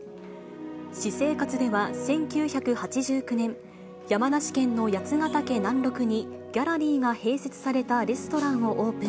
私生活では１９８９年、山梨県の八ヶ岳南麓にギャラリーが併設されたレストランをオープ